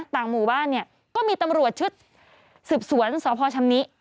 ต่างหมู่บ้านเนี่ยก็มีตำรวจชุดสืบสวนสพชำนิ